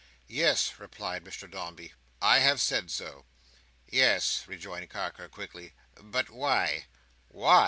"Yes," replied Mr Dombey. "I have said so." "Yes," rejoined Carker, quickly; "but why?"